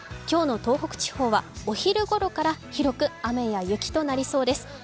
今日の東北地方はお昼ごろから広く雨や雪となりそうです。